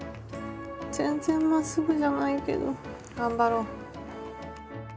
全然まっすぐじゃないけど頑張ろう。